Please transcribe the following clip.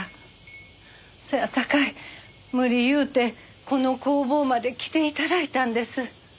そやさかい無理言うてこの工房まで来て頂いたんです。